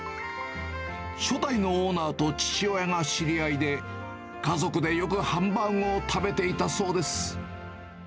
初代のオーナーと父親が知り合いで、家族でよくハンバーグを食べていたそうです。